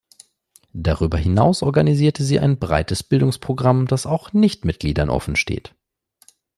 Darüber hinaus organisierte sie ein breites Bildungsprogramm das auch Nichtmitgliedern offensteht.